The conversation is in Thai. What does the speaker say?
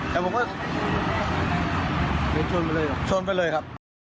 แต่ผมก็ชนไปเลยครับ